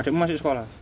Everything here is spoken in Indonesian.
adikmu masih sekolah